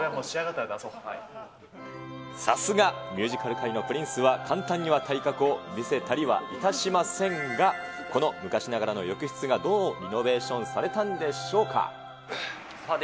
さすがミュージカル界のプリンスは、簡単には体格を見せたりはいたしませんが、この昔ながらの浴室がどうリノベーションされたんでしょうか。